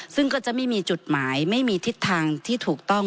ซึ่งก็จะไม่มีจุดหมายไม่มีทิศทางที่ถูกต้อง